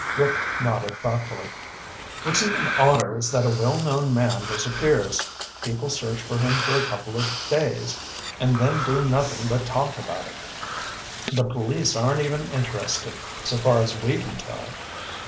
Rick nodded thoughtfully. "What's even odder is that a well known man disappears, people search for him for a couple of days, and then do nothing but talk about it. The police aren't even interested, so far as we can tell."